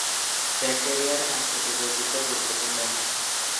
ব্যাকটেরিয়ার আকৃতি-বৈচিত্র গুরুত্বপূর্ণ।